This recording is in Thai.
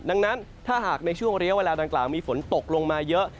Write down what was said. ดังนั้นถ้าหากในช่วงเรียกเวลาดังกล่าวมีฝนตกลงมาเยอะ